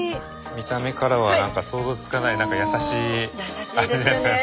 見た目からは想像つかない何か優しい味ですよね。